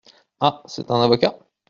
Ah ! c’est un avocat ?